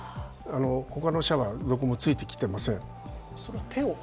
他の社はどこもついてきていません。